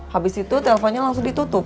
habis itu teleponnya langsung ditutup